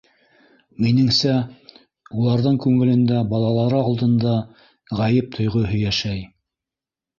Минеңсә, уларҙың күңелендә балалары алдында ғәйеп тойғоһо йәшәй.